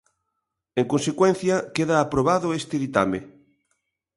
En consecuencia, queda aprobado este ditame.